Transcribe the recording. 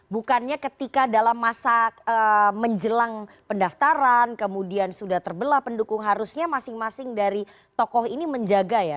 bukannya ketika dalam masa menjelang pendaftaran kemudian sudah terbelah pendukung harusnya masing masing dari tokoh ini menjaga ya